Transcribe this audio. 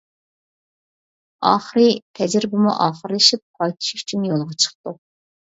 ئاخىرى تەجرىبىمۇ ئاخىرلىشىپ قايتىش ئۈچۈن يولغا چىقتۇق.